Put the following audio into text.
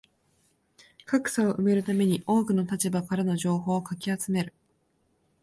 格差を埋めるために多くの立場からの情報をかき集める